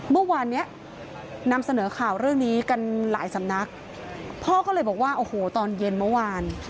เมื่อวานเนี้ยนำเสนอข่าวเรื่องนี้กันหลายสำนักพ่อก็เลยบอกว่าโอ้โหตอนเย็นเมื่อวาน